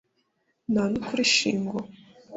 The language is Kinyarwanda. na n'ukuri shingo